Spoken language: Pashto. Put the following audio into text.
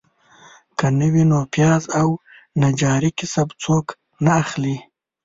که نه وي نو پیاز او نجاري کسب څوک نه اخلي.